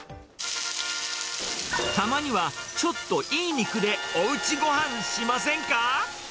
たまにはちょっといい肉でおうちごはんしませんか。